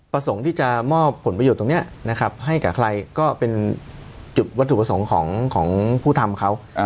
ประสงค์ที่จะมอบผลประโยชน์ตรงนี้นะครับให้กับใครก็เป็นจุดวัตถุประสงค์ของผู้ทำเขา